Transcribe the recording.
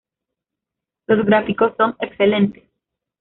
Los gráficos son excelentes".